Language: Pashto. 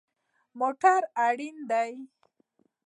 موټر اړین دی